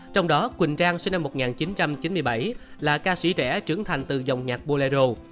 trong đó quỳnh trang sinh năm một nghìn chín trăm chín mươi bảy là ca sĩ trẻ trưởng thành từ dòng nhạc bularo